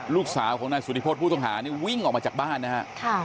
ลูกสาวของนายสุธิพจนี่วิ่งออกมาจากบ้านนะฮะค่ะ